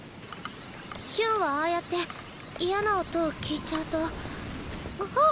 ヒュンはああやって嫌な音を聴いちゃうとあっ！